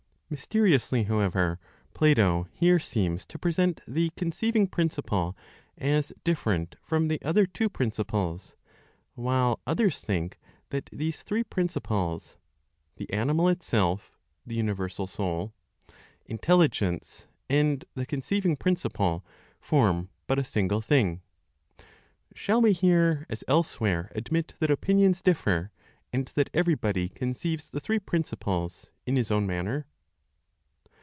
Mysteriously, however, Plato here seems to present the conceiving principle as different from the other two principles, while others think that these three principles, the animal itself (the universal Soul), Intelligence and the conceiving principle form but a single thing. Shall we here, as elsewhere, admit that opinions differ, and that everybody conceives the three principles in his own manner?